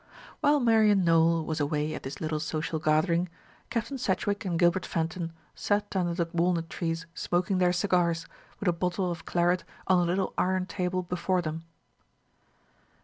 While Marian Nowell was away at this little social gathering, Captain Sedgewick and Gilbert Fenton sat under the walnut trees smoking their cigars, with a bottle of claret on a little iron table before them.